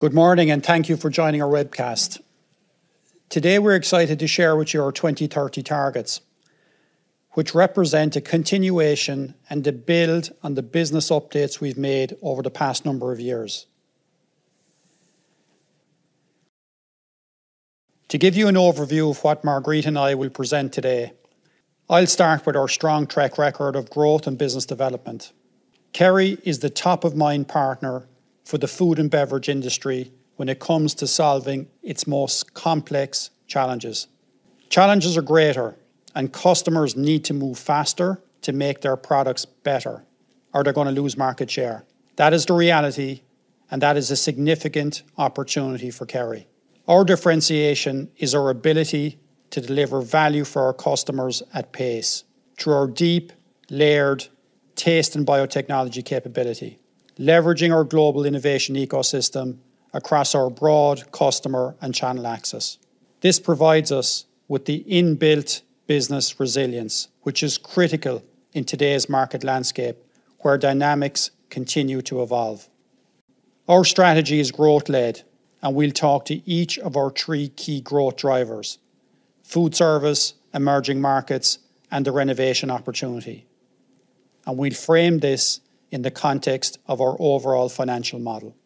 Good morning, and thank you for joining our webcast. Today, we're excited to share with you our 2030 targets, which represent a continuation and a build on the business updates we've made over the past number of years. To give you an overview of what Marguerite and I will present today, I'll start with our strong track record of growth and business development. Kerry is the top-of-mind partner for the food and beverage industry when it comes to solving its most complex challenges. Challenges are greater, customers need to move faster to make their products better, or they're going to lose market share. That is the reality, that is a significant opportunity for Kerry. Our differentiation is our ability to deliver value for our customers at pace through our deep, layered taste and biotechnology capability, leveraging our global innovation ecosystem across our broad customer and channel access. This provides us with the inbuilt business resilience, which is critical in today's market landscape, where dynamics continue to evolve. Our strategy is growth led, we'll talk to each of our three key growth drivers, food service, emerging markets, and the renovation opportunity. We frame this in the context of our overall financial model.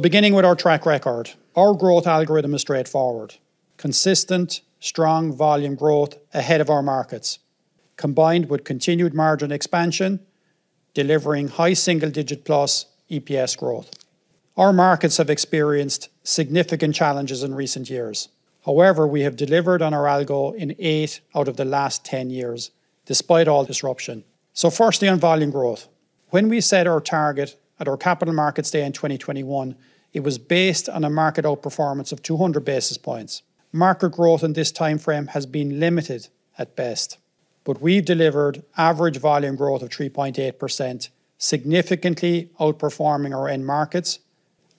Beginning with our track record, our growth algorithm is straightforward. Consistent, strong volume growth ahead of our markets, combined with continued margin expansion, delivering high-single-digit plus EPS growth. Our markets have experienced significant challenges in recent years. However, we have delivered on our algo in eight out of the last 10 years, despite all disruption. Firstly, on volume growth. When we set our target at our Capital Markets Day in 2021, it was based on a market outperformance of 200 basis points. Market growth in this timeframe has been limited at best, we've delivered average volume growth of 3.8%, significantly outperforming our end-markets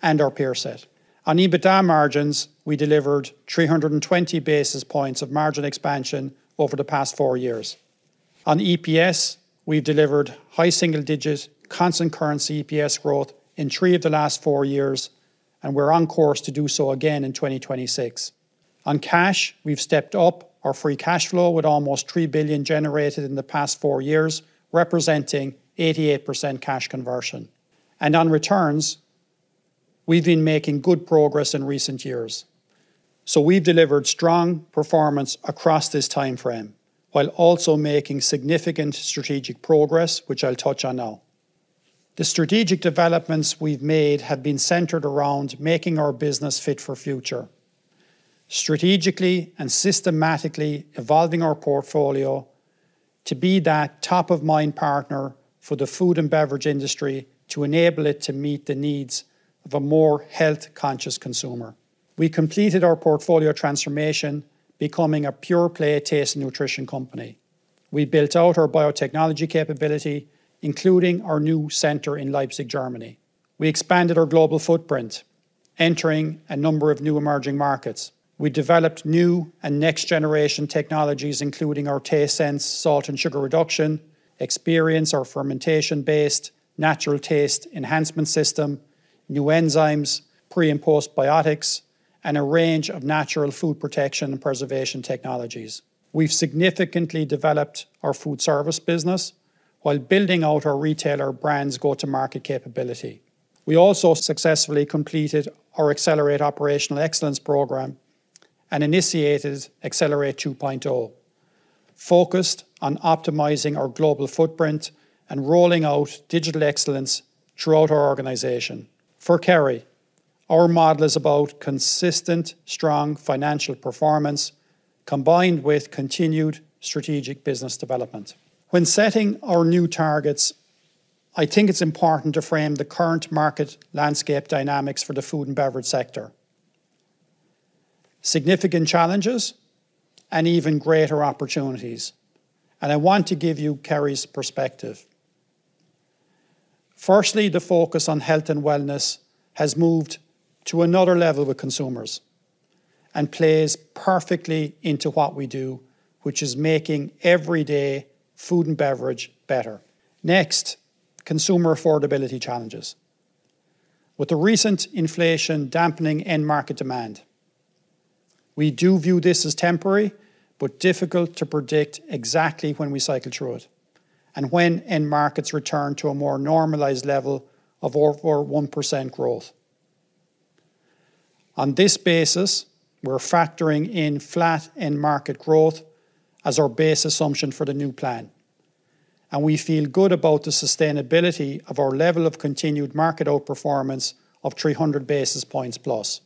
and our peer set. On EBITDA margins, we delivered 320 basis points of margin expansion over the past four years. On EPS, we've delivered high-single-digit constant currency EPS growth in three of the last four years, and we're on course to do so again in 2026. On cash, we've stepped up our free cash flow with almost 3 billion generated in the past four years, representing 88% cash conversion. On returns, we've been making good progress in recent years. We've delivered strong performance across this timeframe, while also making significant strategic progress, which I'll touch on now. The strategic developments we've made have been centered around making our business fit for future. Strategically and systematically evolving our portfolio to be that top-of-mind partner for the food and beverage industry to enable it to meet the needs of a more health-conscious consumer. We completed our portfolio transformation, becoming a pure play taste and nutrition company. We built out our biotechnology capability, including our new center in Leipzig, Germany. We expanded our global footprint, entering a number of new emerging markets. We developed new and next-generation technologies, including our TasteSense salt and sugar reduction, KerryXperience our fermentation-based natural taste enhancement system, new enzymes, pre and postbiotics, and a range of natural food protection and preservation technologies. We've significantly developed our food service business while building out our retailer brands' go-to-market capability. We also successfully completed our Accelerate Operational Excellence program and initiated Accelerate 2.0, focused on optimizing our global footprint and rolling out digital excellence throughout our organization. For Kerry, our model is about consistent, strong financial performance combined with continued strategic business development. When setting our new targets, I think it's important to frame the current market landscape dynamics for the food and beverage sector. Significant challenges and even greater opportunities, I want to give you Kerry's perspective. Firstly, the focus on health and wellness has moved to another level with consumers and plays perfectly into what we do, which is making everyday food and beverage better. Next, consumer affordability challenges. With the recent inflation dampening end-market demand, we do view this as temporary, but difficult to predict exactly when we cycle through it and when end-markets return to a more normalized level of over 1% growth. On this basis, we're factoring in flat end-market growth as our base assumption for the new plan, we feel good about the sustainability of our level of continued market outperformance of 300 basis points plus.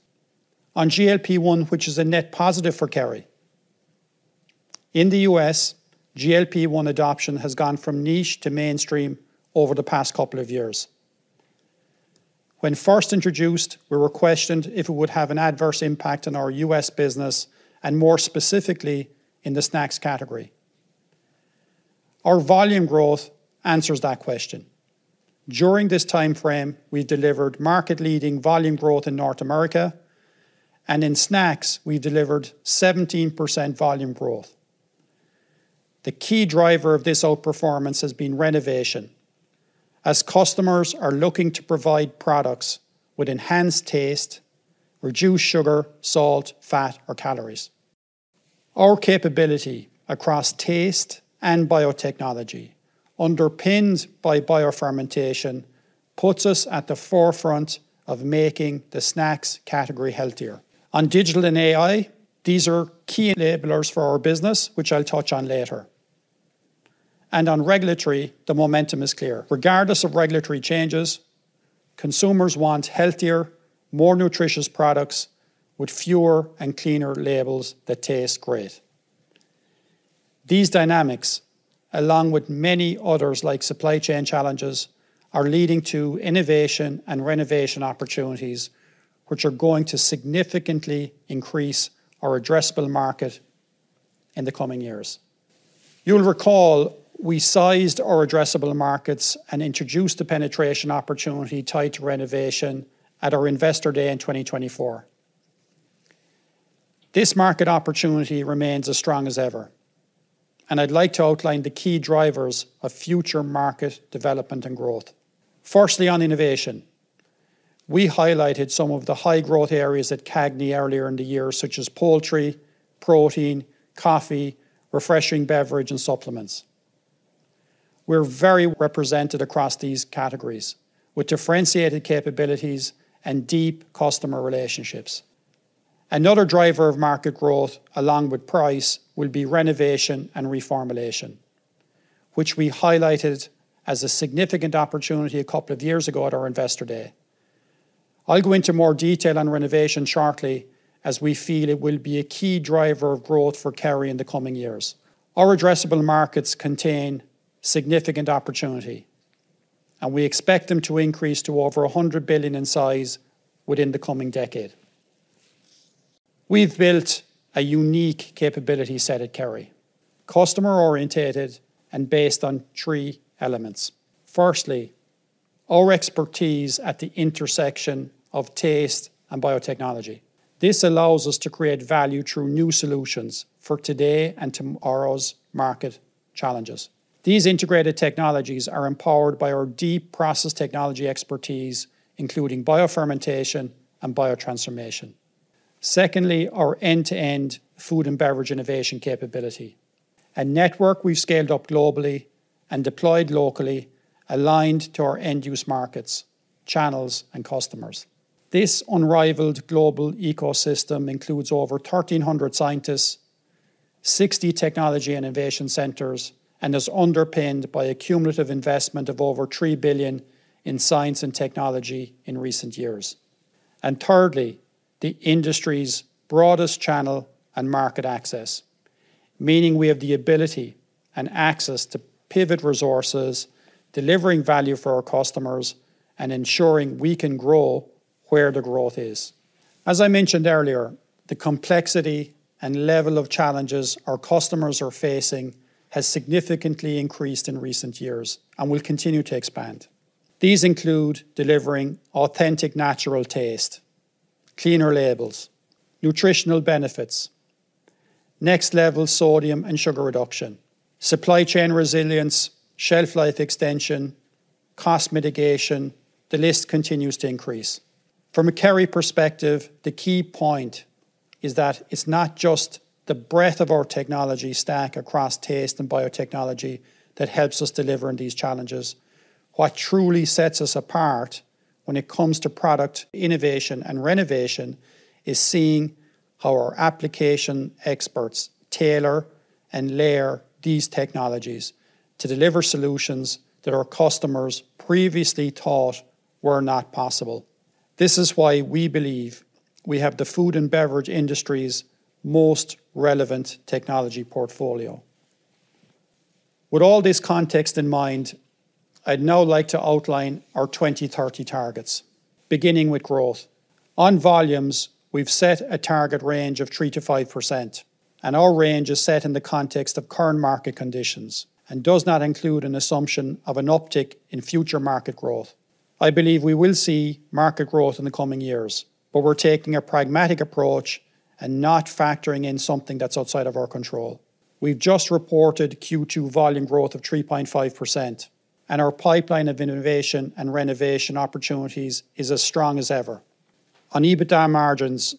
On GLP-1, which is a net positive for Kerry. In the U.S., GLP-1 adoption has gone from niche to mainstream over the past couple of years. When first introduced, we were questioned if it would have an adverse impact on our U.S. business and more specifically in the snacks category. Our volume growth answers that question. During this timeframe, we've delivered market leading volume growth in North America, and in snacks, we've delivered 17% volume growth. The key driver of this outperformance has been renovation, as customers are looking to provide products with enhanced taste, reduced sugar, salt, fat, or calories. Our capability across taste and biotechnology, underpinned by biofermentation, puts us at the forefront of making the snacks category healthier. On digital and AI, these are key enablers for our business, which I'll touch on later. On regulatory, the momentum is clear. Regardless of regulatory changes, consumers want healthier, more nutritious products with fewer and cleaner labels that taste great. These dynamics, along with many others like supply chain challenges, are leading to innovation and renovation opportunities, which are going to significantly increase our addressable market in the coming years. You'll recall we sized our addressable markets and introduced the penetration opportunity tied to renovation at our Investor Day in 2024. This market opportunity remains as strong as ever, I'd like to outline the key drivers of future market development and growth. Firstly, on innovation. We highlighted some of the high-growth areas at CAGNY earlier in the year, such as poultry, protein, coffee, refreshing beverage, and supplements. We're very well represented across these categories with differentiated capabilities and deep customer relationships. Another driver of market growth, along with price, will be renovation and reformulation, which we highlighted as a significant opportunity a couple of years ago at our Investor Day. I'll go into more detail on renovation shortly, as we feel it will be a key driver of growth for Kerry in the coming years. Our addressable markets contain significant opportunity, we expect them to increase to over 100 billion in size within the coming decade. We've built a unique capability set at Kerry, customer orientated and based on three elements. Firstly, our expertise at the intersection of taste and biotechnology. This allows us to create value through new solutions for today and tomorrow's market challenges. These integrated technologies are empowered by our deep process technology expertise, including biofermentation and biotransformation. Secondly, our end-to-end food and beverage innovation capability. A network we've scaled up globally and deployed locally, aligned to our end-use markets, channels, and customers. This unrivaled global ecosystem includes over 1,300 scientists, 60 technology and innovation centers, and is underpinned by a cumulative investment of over 3 billion in science and technology in recent years. Thirdly, the industry's broadest channel and market access, meaning we have the ability and access to pivot resources, delivering value for our customers, and ensuring we can grow where the growth is. As I mentioned earlier, the complexity and level of challenges our customers are facing has significantly increased in recent years and will continue to expand. These include delivering authentic natural taste, cleaner labels, nutritional benefits, next level sodium and sugar reduction, supply chain resilience, shelf life extension, cost mitigation. The list continues to increase. From a Kerry perspective, the key point is that it's not just the breadth of our technology stack across taste and biotechnology that helps us deliver on these challenges. What truly sets us apart when it comes to product innovation and renovation is seeing how our application experts tailor and layer these technologies to deliver solutions that our customers previously thought were not possible. This is why we believe we have the food and beverage industry's most relevant technology portfolio. With all this context in mind, I'd now like to outline our 2030 targets, beginning with growth. On volumes, we've set a target range of 3%-5%, and our range is set in the context of current market conditions and does not include an assumption of an uptick in future market growth. I believe we will see market growth in the coming years, but we're taking a pragmatic approach and not factoring in something that's outside of our control. We've just reported Q2 volume growth of 3.5%, and our pipeline of innovation and renovation opportunities is as strong as ever. On EBITDA margins,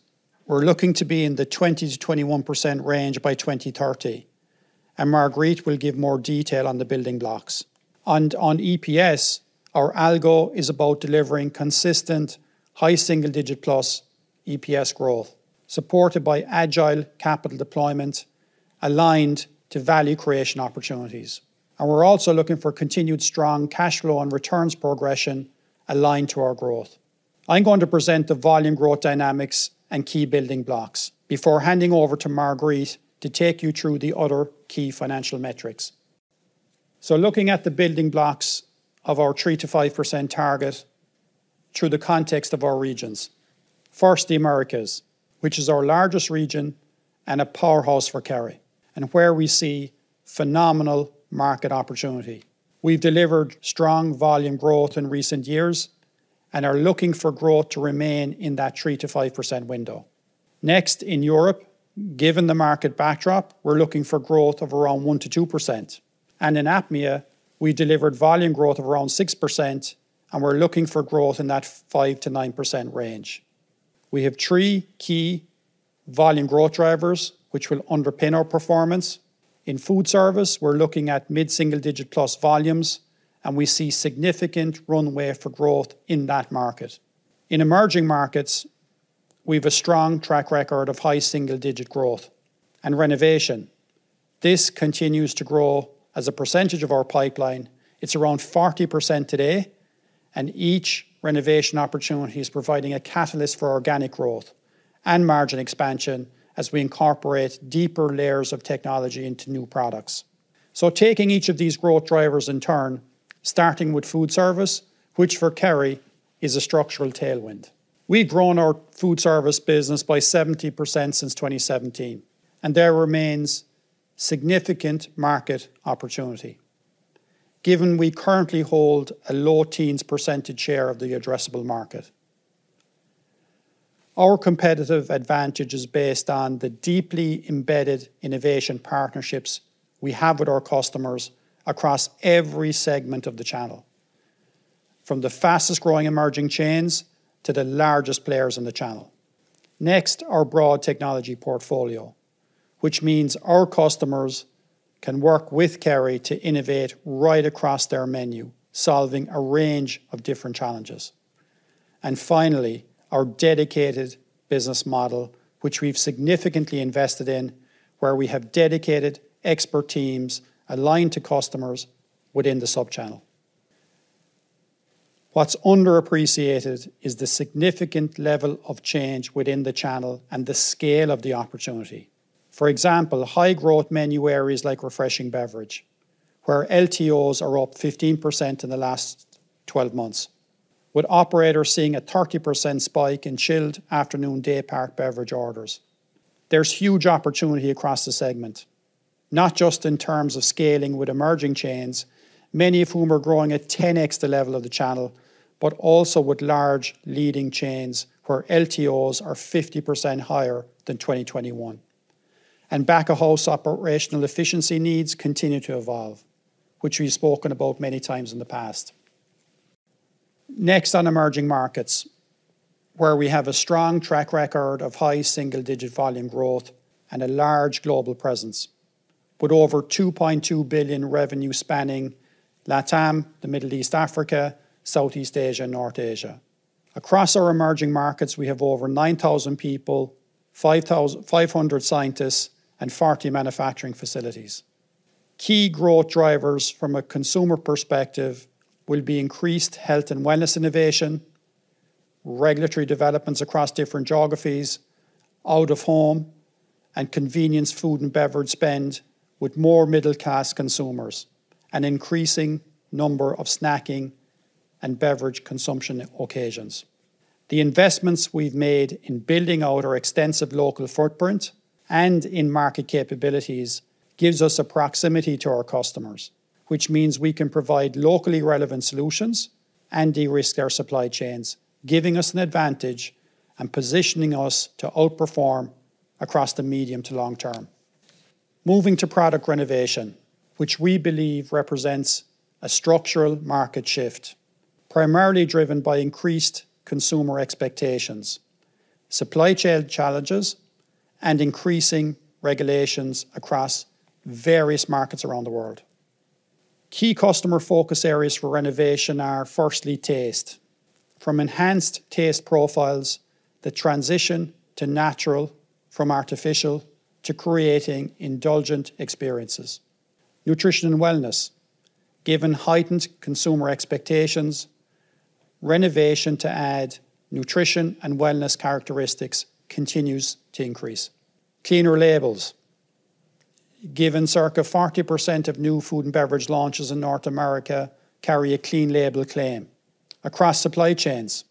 we're looking to be in the 20%-21% range by 2030, and Marguerite will give more detail on the building blocks. On EPS, our algo is about delivering consistent high-single-digit plus EPS growth, supported by agile capital deployment aligned to value creation opportunities. We're also looking for continued strong cash flow and returns progression aligned to our growth. I'm going to present the volume growth dynamics and key building blocks before handing over to Marguerite to take you through the other key financial metrics. Looking at the building blocks of our 3%-5% target through the context of our regions. First, the Americas, which is our largest region and a powerhouse for Kerry, and where we see phenomenal market opportunity. We've delivered strong volume growth in recent years and are looking for growth to remain in that 3%-5% window. Next, in Europe, given the market backdrop, we're looking for growth of around 1%-2%. And in APMEA, we delivered volume growth of around 6%, and we're looking for growth in that 5%-9% range. We have three key volume growth drivers which will underpin our performance. In food service, we're looking at mid-single-digit plus volumes, and we see significant runway for growth in that market. In emerging markets, we've a strong track record of high-single-digit growth and renovation. This continues to grow as a percentage of our pipeline. It's around 40% today, and each renovation opportunity is providing a catalyst for organic growth and margin expansion as we incorporate deeper layers of technology into new products. Taking each of these growth drivers in turn, starting with food service, which for Kerry is a structural tailwind. We've grown our food service business by 70% since 2017, and there remains significant market opportunity. Given we currently hold a low teens percentage share of the addressable market. Our competitive advantage is based on the deeply embedded innovation partnerships we have with our customers across every segment of the channel, from the fastest growing emerging chains to the largest players in the channel. Next, our broad technology portfolio. Which means our customers can work with Kerry to innovate right across their menu, solving a range of different challenges. Finally, our dedicated business model, which we've significantly invested in, where we have dedicated expert teams aligned to customers within the sub-channel. What's underappreciated is the significant level of change within the channel and the scale of the opportunity. For example, high-growth menu areas like refreshing beverage, where LTOs are up 15% in the last 12 months, with operators seeing a 30% spike in chilled afternoon daypart beverage orders. There's huge opportunity across the segment, not just in terms of scaling with emerging chains, many of whom are growing at 10x the level of the channel, but also with large leading chains where LTOs are 50% higher than 2021. Back-of-house operational efficiency needs continue to evolve, which we've spoken about many times in the past. Next, on emerging markets, where we have a strong track record of high-single-digit volume growth and a large global presence, with over 2.2 billion revenue spanning LatAm, the Middle East, Africa, Southeast Asia, and North Asia. Across our emerging markets, we have over 9,000 people, 500 scientists, and 40 manufacturing facilities. Key growth drivers from a consumer perspective will be increased health and wellness innovation, regulatory developments across different geographies, out of home, and convenience food and beverage spend with more middle class consumers, an increasing number of snacking and beverage consumption occasions. The investments we've made in building out our extensive local footprint and in market capabilities gives us a proximity to our customers, which means we can provide locally relevant solutions and de-risk their supply chains, giving us an advantage and positioning us to outperform across the medium- to long-term. Moving to product renovation, which we believe represents a structural market shift, primarily driven by increased consumer expectations, supply chain challenges, and increasing regulations across various markets around the world. Key customer focus areas for renovation are, firstly, taste. From enhanced taste profiles that transition to natural from artificial to creating indulgent experiences. Nutrition and wellness. Given heightened consumer expectations, renovation to add nutrition and wellness characteristics continues to increase. Cleaner labels. Given circa 40% of new food and beverage launches in North America carry a clean label claim. Across supply chains,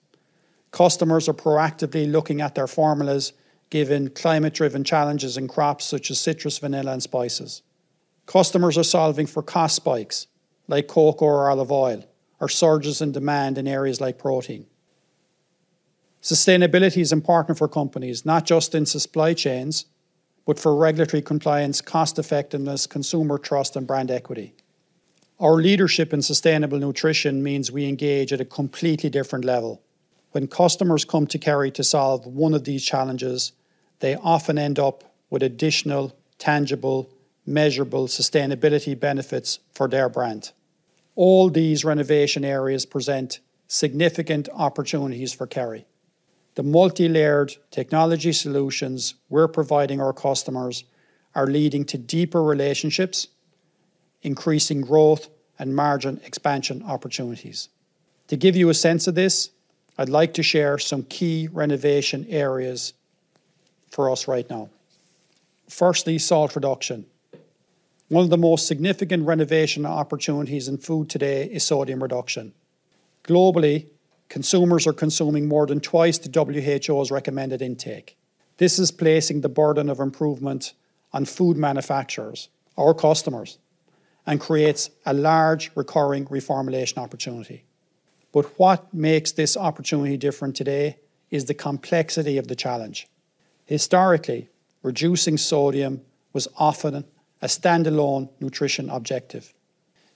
customers are proactively looking at their formulas given climate-driven challenges in crops such as citrus, vanilla, and spices. Customers are solving for cost spikes like cocoa or olive oil, or surges in demand in areas like protein. Sustainability is important for companies, not just in supply chains, but for regulatory compliance, cost effectiveness, consumer trust, and brand equity. Our leadership in sustainable nutrition means we engage at a completely different level. When customers come to Kerry to solve one of these challenges, they often end up with additional, tangible, measurable sustainability benefits for their brand. All these renovation areas present significant opportunities for Kerry. The multi-layered technology solutions we're providing our customers are leading to deeper relationships, increasing growth and margin expansion opportunities. To give you a sense of this, I'd like to share some key renovation areas for us right now. Firstly, salt reduction. One of the most significant renovation opportunities in food today is sodium reduction. Globally, consumers are consuming more than twice the WHO's recommended intake. This is placing the burden of improvement on food manufacturers, our customers, and creates a large recurring reformulation opportunity. What makes this opportunity different today is the complexity of the challenge. Historically, reducing sodium was often a standalone nutrition objective.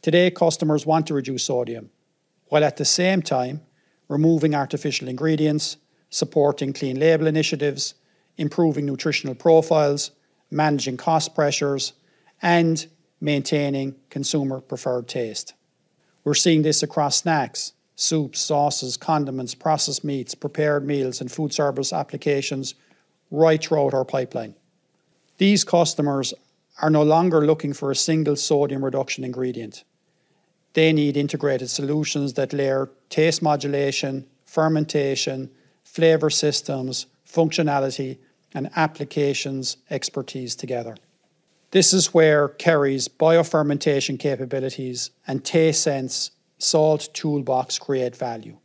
Today, customers want to reduce sodium while at the same time removing artificial ingredients, supporting clean label initiatives, improving nutritional profiles, managing cost pressures, and maintaining consumer preferred taste. We're seeing this across snacks, soups, sauces, condiments, processed meats, prepared meals, and food service applications right throughout our pipeline. These customers are no longer looking for a single sodium reduction ingredient. They need integrated solutions that layer taste modulation, fermentation, flavor systems, functionality, and applications expertise together. This is where Kerry's biofermentation capabilities and TasteSense salt toolbox create value.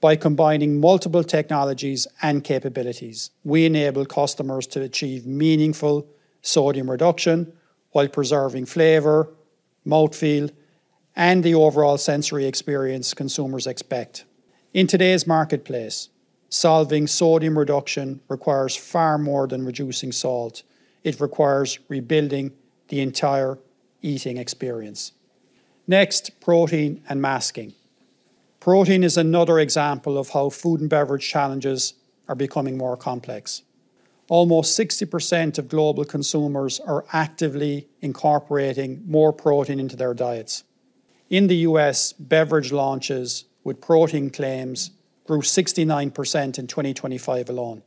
By combining multiple technologies and capabilities, we enable customers to achieve meaningful sodium reduction while preserving flavor, mouthfeel, and the overall sensory experience consumers expect. In today's marketplace, solving sodium reduction requires far more than reducing salt. It requires rebuilding the entire eating experience. Next, protein and masking. Protein is another example of how food and beverage challenges are becoming more complex. Almost 60% of global consumers are actively incorporating more protein into their diets. In the U.S., beverage launches with protein claims grew 69% in 2025 alone.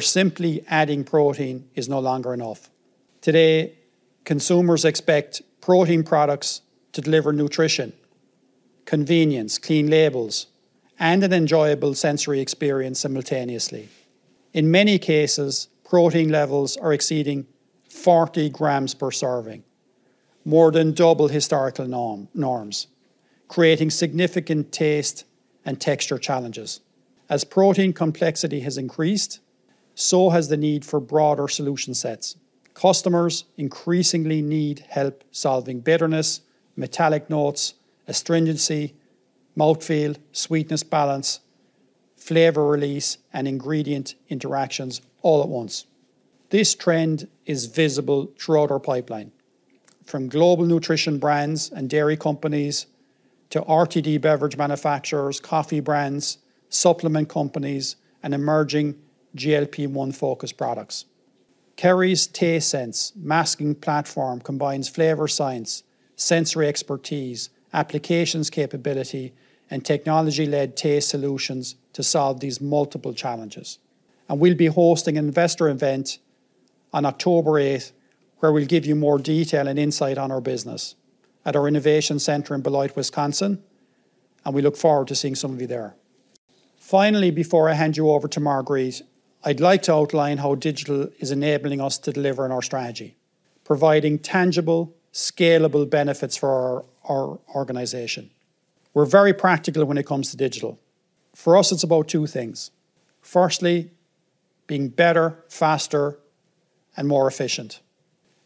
Simply adding protein is no longer enough. Today, consumers expect protein products to deliver nutrition, convenience, clean labels, and an enjoyable sensory experience simultaneously. In many cases, protein levels are exceeding 40 g per serving, more than double historical norms, creating significant taste and texture challenges. As protein complexity has increased, so has the need for broader solution sets. Customers increasingly need help solving bitterness, metallic notes, astringency, mouthfeel, sweetness balance, flavor release, and ingredient interactions all at once. This trend is visible throughout our pipeline, from global nutrition brands and dairy companies to RTD beverage manufacturers, coffee brands, supplement companies, and emerging GLP-1-focused products. Kerry's TasteSense masking platform combines flavor science, sensory expertise, applications capability, and technology-led taste solutions to solve these multiple challenges. We'll be hosting an Investor Event on October 8th, where we'll give you more detail and insight on our business at our innovation center in Beloit, Wisconsin, and we look forward to seeing some of you there. Finally, before I hand you over to Marguerite, I'd like to outline how digital is enabling us to deliver on our strategy, providing tangible, scalable benefits for our organization. We're very practical when it comes to digital. For us, it's about two things. Firstly, being better, faster, and more efficient,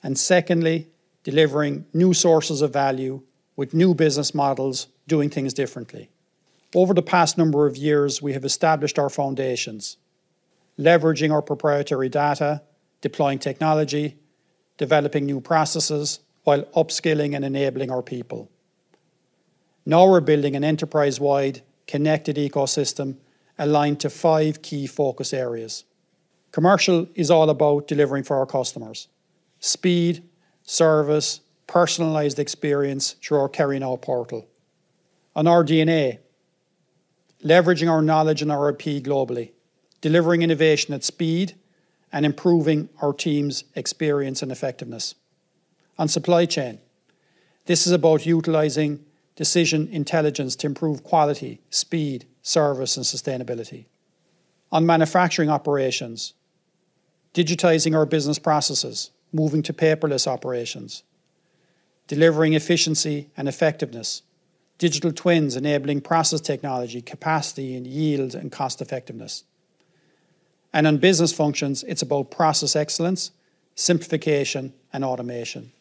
and secondly, delivering new sources of value with new business models, doing things differently. Over the past number of years, we have established our foundations, leveraging our proprietary data, deploying technology, developing new processes while upskilling and enabling our people. Now we're building an enterprise-wide connected ecosystem aligned to five key focus areas. Commercial is all about delivering for our customers speed, service, personalized experience through our KerryNow portal. On our DNA, leveraging our knowledge and our IP globally, delivering innovation at speed, and improving our team's experience and effectiveness. On supply chain, this is about utilizing decision intelligence to improve quality, speed, service, and sustainability. On manufacturing operations, digitizing our business processes, moving to paperless operations, delivering efficiency and effectiveness, digital twins enabling process technology, capacity and yield, and cost effectiveness. On business functions, it's about process excellence, simplification, and automation.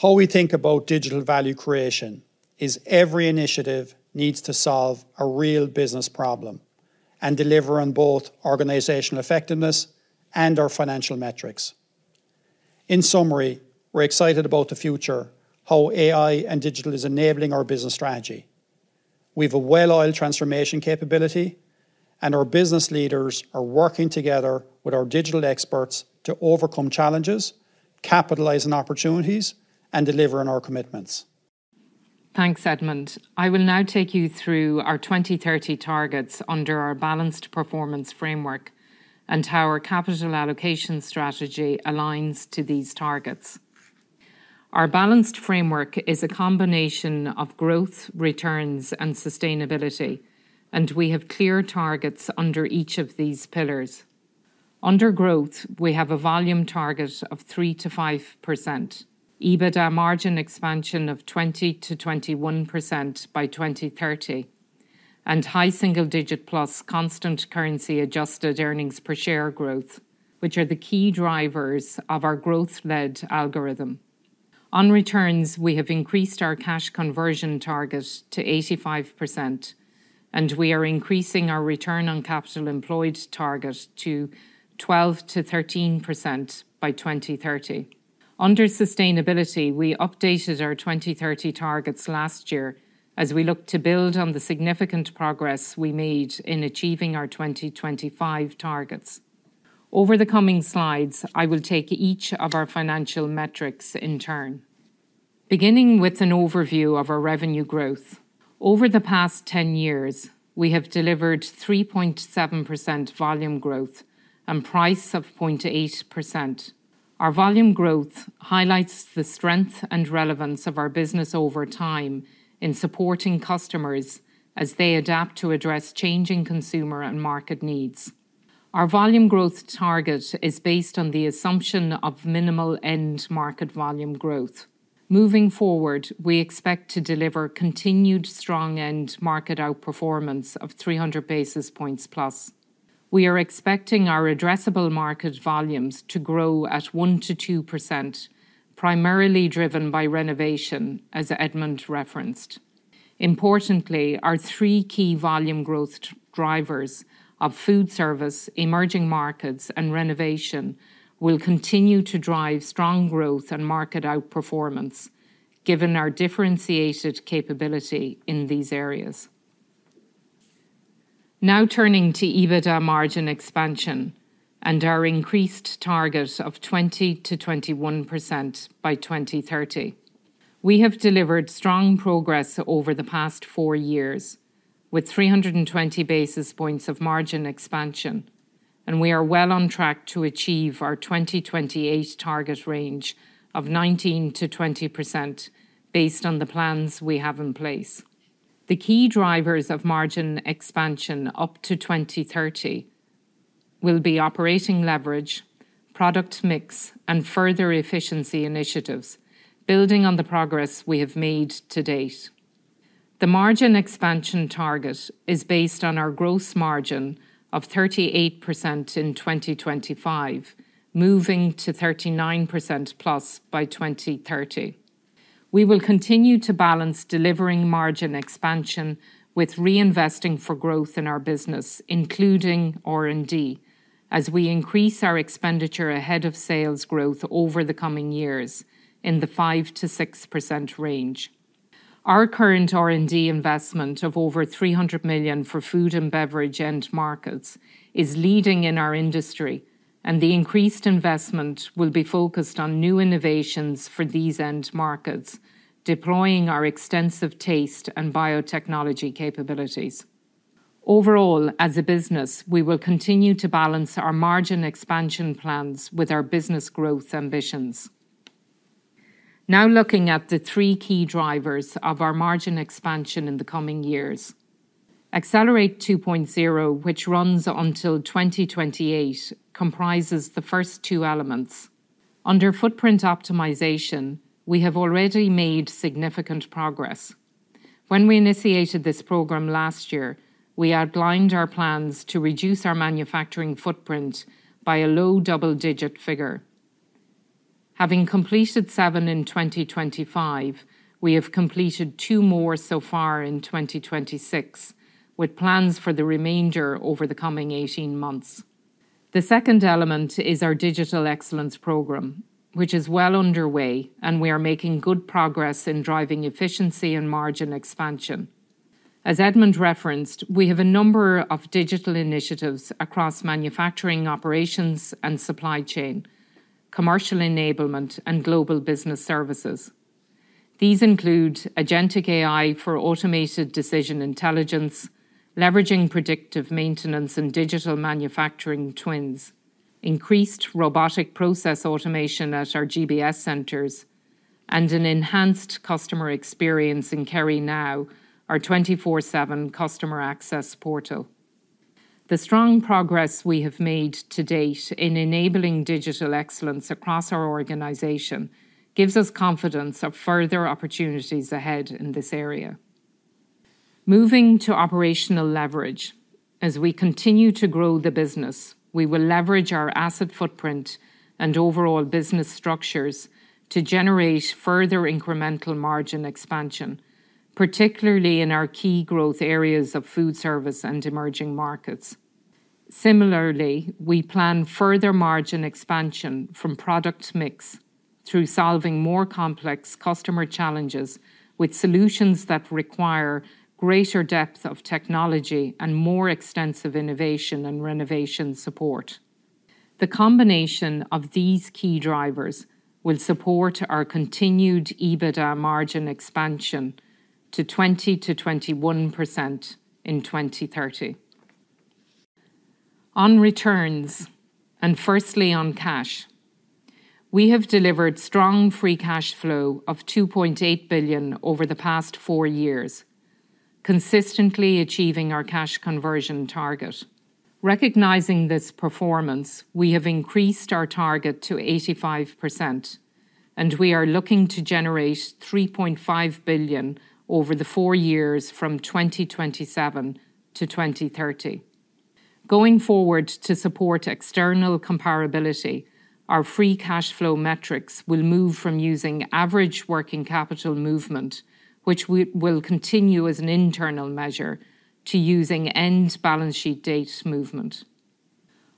How we think about digital value creation is every initiative needs to solve a real business problem and deliver on both organizational effectiveness and our financial metrics. In summary, we're excited about the future, how AI and digital is enabling our business strategy. We've a well-oiled transformation capability. Our business leaders are working together with our digital experts to overcome challenges, capitalize on opportunities, and deliver on our commitments. Thanks, Edmond. I will now take you through our 2030 targets under our balanced performance framework and how our capital allocation strategy aligns to these targets. Our balanced framework is a combination of growth, returns, and sustainability. We have clear targets under each of these pillars. Under growth, we have a volume target of 3%-5%, EBITDA margin expansion of 20%-21% by 2030. High-single-digit plus constant currency adjusted earnings per share growth, which are the key drivers of our growth-led algorithm. On returns, we have increased our cash conversion target to 85%, and we are increasing our return on capital employed target to 12%-13% by 2030. Under sustainability, we updated our 2030 targets last year, as we look to build on the significant progress we made in achieving our 2025 targets. Over the coming slides, I will take each of our financial metrics in turn. Beginning with an overview of our revenue growth. Over the past 10 years, we have delivered 3.7% volume growth and price of 0.8%. Our volume growth highlights the strength and relevance of our business over time in supporting customers as they adapt to address changing consumer and market needs. Our volume growth target is based on the assumption of minimal end-market volume growth. Moving forward, we expect to deliver continued strong end-market outperformance of 300 basis points plus. We are expecting our addressable market volumes to grow at 1%-2%, primarily driven by renovation, as Edmond referenced. Importantly, our three key volume growth drivers of food service, emerging markets, and renovation will continue to drive strong growth and market outperformance, given our differentiated capability in these areas. Now turning to EBITDA margin expansion and our increased target of 20%-21% by 2030. We have delivered strong progress over the past four years, with 320 basis points of margin expansion, and we are well on track to achieve our 2028 target range of 19%-20%, based on the plans we have in place. The key drivers of margin expansion up to 2030 will be operating leverage, product mix, and further efficiency initiatives, building on the progress we have made to-date. The margin expansion target is based on our gross margin of 38% in 2025, moving to 39%+ by 2030. We will continue to balance delivering margin expansion with reinvesting for growth in our business, including R&D, as we increase our expenditure ahead of sales growth over the coming years in the 5%-6% range. Our current R&D investment of over 300 million for food and beverage end-markets is leading in our industry, and the increased investment will be focused on new innovations for these end-markets, deploying our extensive taste and biotechnology capabilities. Overall, as a business, we will continue to balance our margin expansion plans with our business growth ambitions. Now looking at the three key drivers of our margin expansion in the coming years. Accelerate 2.0, which runs until 2028, comprises the first two elements. Under footprint optimization, we have already made significant progress. When we initiated this program last year, we outlined our plans to reduce our manufacturing footprint by a low-double-digit figure. Having completed seven in 2025, we have completed two more so far in 2026, with plans for the remainder over the coming 18 months. The second element is our digital excellence program, which is well underway, and we are making good progress in driving efficiency and margin expansion. As Edmond referenced, we have a number of digital initiatives across manufacturing operations and supply chain, commercial enablement, and global business services. These include agentic AI for automated decision intelligence, leveraging predictive maintenance and digital manufacturing twins, increased robotic process automation at our GBS centers, and an enhanced customer experience in KerryNow, our 24/7 customer access portal. The strong progress we have made to-date in enabling digital excellence across our organization gives us confidence of further opportunities ahead in this area. Moving to operational leverage. As we continue to grow the business, we will leverage our asset footprint and overall business structures to generate further incremental margin expansion, particularly in our key growth areas of food service and emerging markets. Similarly, we plan further margin expansion from product mix through solving more complex customer challenges with solutions that require greater depth of technology and more extensive innovation and renovation support. The combination of these key drivers will support our continued EBITDA margin expansion to 20%-21% in 2030. On returns, firstly on cash. We have delivered strong free cash flow of 2.8 billion over the past four years, consistently achieving our cash conversion target. Recognizing this performance, we have increased our target to 85%. We are looking to generate 3.5 billion over the four years from 2027 to 2030. Going forward, to support external comparability, our free cash flow metrics will move from using average working capital movement, which will continue as an internal measure, to using end-balance sheet date movement.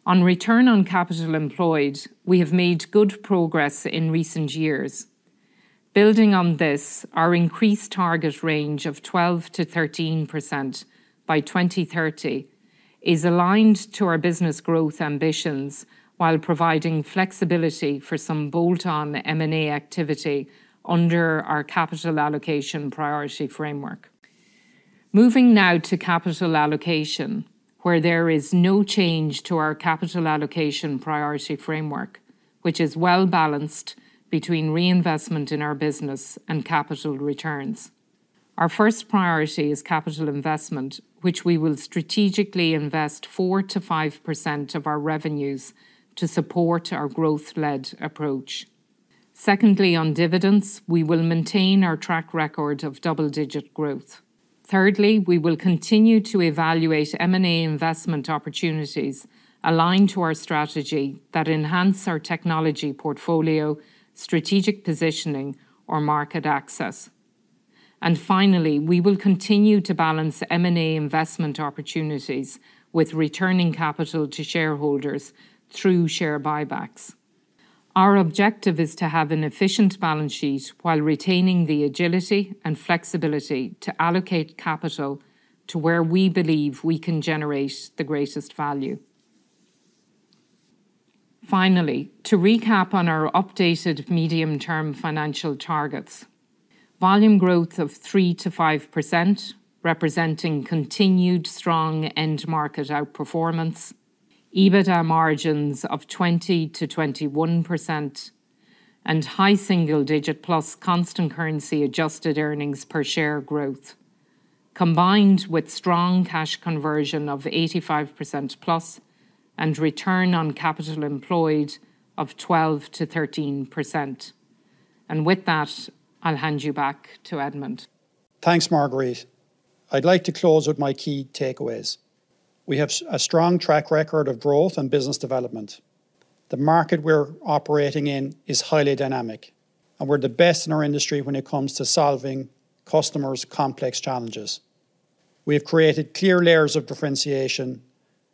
On return on capital employed, we have made good progress in recent years. Building on this, our increased target range of 12%-13% by 2030 is aligned to our business growth ambitions while providing flexibility for some bolt-on M&A activity under our capital allocation priority framework. Moving now to capital allocation, where there is no change to our capital allocation priority framework, which is well-balanced between reinvestment in our business and capital returns. Our first priority is capital investment, which we will strategically invest 4%-5% of our revenues to support our growth-led approach. Secondly, on dividends, we will maintain our track record of double-digit growth. Thirdly, we will continue to evaluate M&A investment opportunities aligned to our strategy that enhance our technology portfolio, strategic positioning, or market access. Finally, we will continue to balance M&A investment opportunities with returning capital to shareholders through share buybacks. Our objective is to have an efficient balance sheet while retaining the agility and flexibility to allocate capital to where we believe we can generate the greatest value. Finally, to recap on our updated medium-term financial targets. Volume growth of 3%-5%, representing continued strong end-market outperformance, EBITDA margins of 20%-21%, and high-single-digit plus constant currency adjusted earnings per share growth, combined with strong cash conversion of 85% plus and return on capital employed of 12%-13%. With that, I'll hand you back to Edmond. Thanks, Marguerite. I'd like to close with my key takeaways. We have a strong track record of growth and business development. The market we're operating in is highly dynamic, and we're the best in our industry when it comes to solving customers' complex challenges. We have created clear layers of differentiation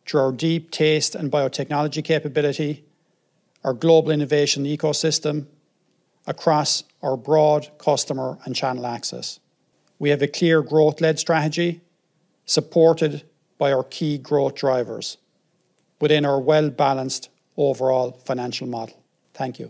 through our deep taste and biotechnology capability, our global innovation ecosystem across our broad customer and channel access. We have a clear growth-led strategy supported by our key growth drivers within our well-balanced overall financial model. Thank you.